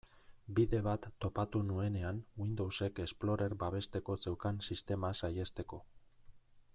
Bide bat topatu nuenean Windowsek Explorer babesteko zeukan sistema saihesteko.